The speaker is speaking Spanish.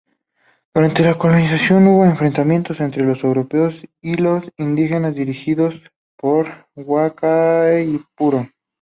Durante la colonización hubo enfrentamientos entre los europeos y los indígenas dirigidos por Guaicaipuro.